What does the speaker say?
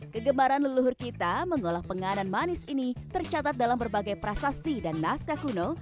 kegemaran leluhur kita mengolah penganan manis ini tercatat dalam berbagai prasasti dan naskah kuno